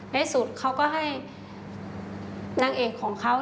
ในสุดเขาก็ให้นางเอกของเขา